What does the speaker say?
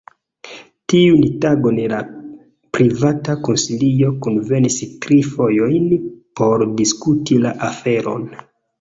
Tiun tagon la Privata Konsilio kunvenis tri fojojn por diskuti la aferon.